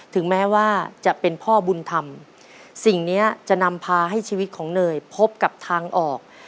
ถึงแม้ว่าจะเป็นพ่อบุญธรรมสิ่งนี้จะนำพาให้ชีวิตของเนยพบกับทางออก